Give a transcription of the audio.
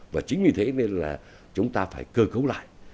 và chính vì thế nên là chúng ta phải cơ cấu lại